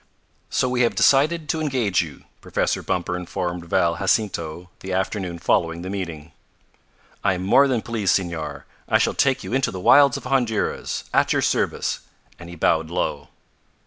"So we have decided to engage you," Professor Bumper informed Val Jacinto the afternoon following the meeting. "I am more than pleased, Senor. I shall take you into the wilds of Honduras. At your service!" and he bowed low.